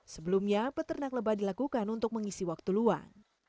sebelumnya beternak lebat dilakukan untuk mengisi waktu luang